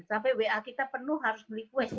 sampai wa kita penuh harus beli quest